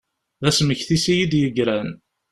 D asmekti-s i yi-d-yegran.